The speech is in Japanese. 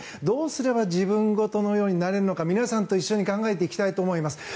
どうすれば自分事のようになれるのか皆さんと一緒に考えていきたいと思います。